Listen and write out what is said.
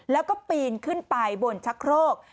แล้วก็ปีนขึ้นไปบนชะโครก